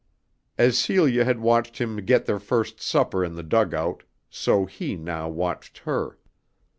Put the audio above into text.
As Celia had watched him get their first supper in the dugout, so he now watched her.